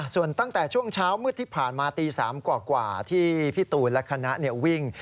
ส่วนตั้งแต่ช่วงเช้ามืดที่ผ่านมาตี๓กว่าที่พี่ตูนและคณะวิ่ง